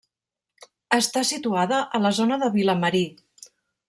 Està situada a la zona de Vilamarí.